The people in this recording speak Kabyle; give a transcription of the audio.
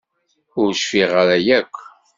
Ur cfiɣ ara yakk.